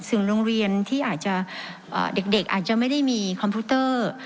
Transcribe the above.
โรงเรียนที่อาจจะเด็กอาจจะไม่ได้มีคอมพิวเตอร์